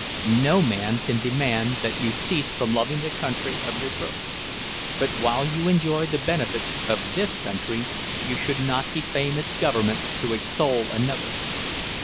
No man can demand that you cease from loving the country of your birth; but while you enjoy the benefits of this country, you should not defame its government to extol another.